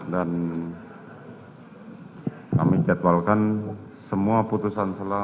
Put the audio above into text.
dan kami jadwalkan semua putusan selal